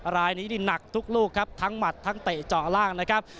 รายนี้นี่หนักทุกลูกครับทั้งหมัดทั้งเตะเจาะล่างนะครับ